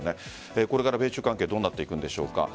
これから米中関係どうなっていくんでしょうか。